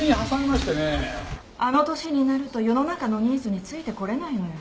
あの年になると世の中のニーズについてこれないのよ。